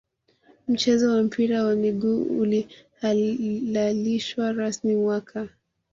mchezo wa mpira wa miguu ulihalalishwa rasmi mwaka